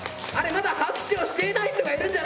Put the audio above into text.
まだ拍手をしていない人がいるんじゃないの？